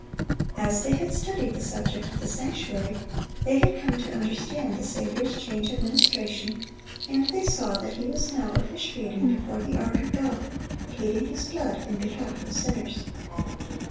As they had studied the subject of the sanctuary, they had come to understand the Saviour's change of ministration, and they saw that He was now officiating before the ark of God, pleading His blood in behalf of sinners.